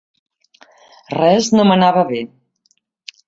Res no m'anava bé.